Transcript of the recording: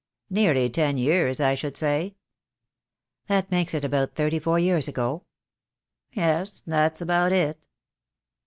"Nearly ten years, I should say." "That makes it about thirty four years ago?" "Yes, that's about it."